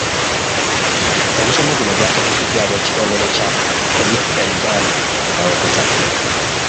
Omusomo guno gwategekeddwa ab’ekitongole kya "Prometra Uganda" mu Mawokota.